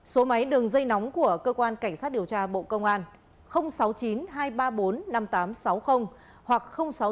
số máy đường dây nóng của cơ quan cảnh sát điều tra bộ công an sáu mươi chín hai trăm ba mươi bốn năm nghìn tám trăm sáu mươi hoặc sáu mươi chín hai trăm ba mươi một một nghìn sáu trăm